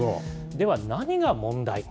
では、何が問題か。